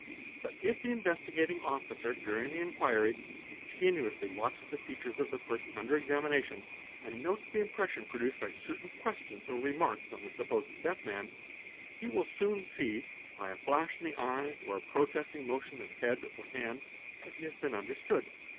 But if the Investigating Officer during the inquiry con tinuously watches the features of the person under examination and notes the impression produced by certain questions or remarks on the supposed deaf man, he will soon see, by a flash in the eyes or a protesting o motion of head or hand, that he has been understood.